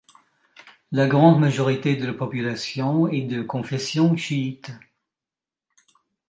La grande majorité de la population est de confession chiite.